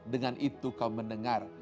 dengan itu kau mendengar